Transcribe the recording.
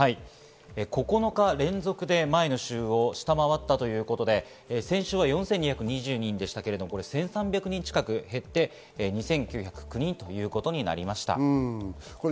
９日連続で前の週を下回ったということで先週は４２２０人ですから、１３００人近く減って２９０９人となりました。